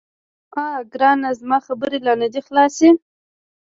_اه ګرانه، زما خبرې لا نه دې خلاصي.